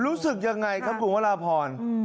รู้สึกอย่างไรครับคุณวันลาพร